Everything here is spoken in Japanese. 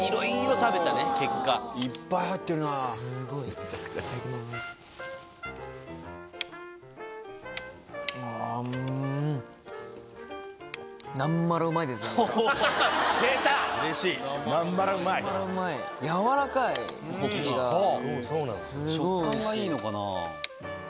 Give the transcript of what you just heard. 食感がいいのかな？